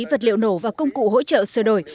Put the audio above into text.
vật liệu nổ và công cụ hỗ trợ sửa đổi